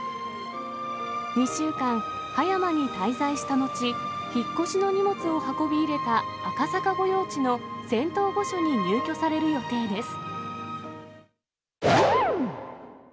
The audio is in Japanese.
２週間、葉山に滞在した後、引っ越しの荷物を運び入れた赤坂御用地の仙洞御所に入居される予定です。